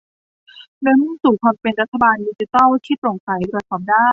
โดยมุ่งสู่ความเป็นรัฐบาลดิจิทัลที่โปร่งใสตรวจสอบได้